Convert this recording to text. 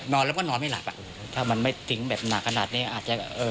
นอนแล้วก็นอนไม่หลับอ่ะถ้ามันไม่ทิ้งแบบหนักขนาดนี้อาจจะเออ